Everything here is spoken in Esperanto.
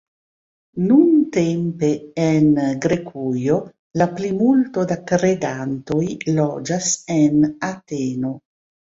Nuntempe en Grekujo la plimulto da kredantoj loĝas en Ateno.